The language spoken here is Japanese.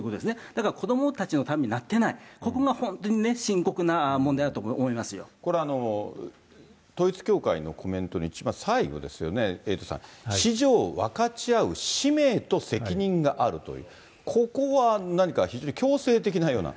だから子どもたちのためになってない、ここが本当にね、これ、統一教会のコメントの一番最後ですよね、エイトさん、子女を分かち合う使命と責任があるという、ここは何か非常に強制的なような。